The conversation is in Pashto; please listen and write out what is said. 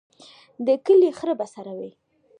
د کلي خره به څروي.